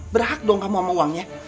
berhak dong kamu sama uangnya